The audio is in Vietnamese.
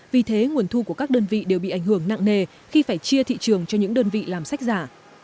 vì thế nguồn thu của các đơn vị đều bị ảnh hưởng nặng nề khi phải chia thị trường cho những đơn vị làm sách giả